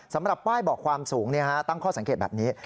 สำหรับป้ายบอกความสูงตั้งข้อสังเกตแบบนี้